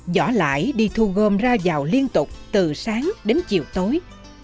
giỏ lại đi thu gom ra vào liên tục từ sáng đến chiều tối